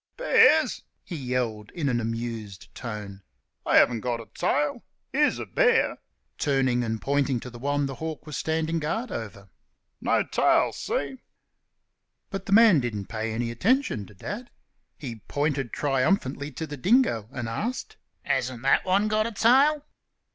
"Bears?" he yelled, in an amused tone, "they haven't got a tail. ... Here's a bear!" turning and pointing to the one the hawk was standing guard over "no tail see?" But the man didn't pay any attention to Dad. He pointed triumphantly to the dingo and asked, "Hasn't that one got a tail?"